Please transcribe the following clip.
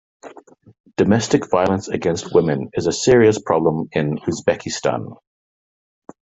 Domestic violence against women is a serious problem in Uzbekistan.